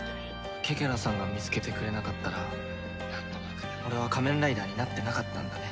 ケケラさんが見つけてくれなかったら俺は仮面ライダーになってなかったんだね。